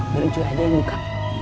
berujuh ada yang buka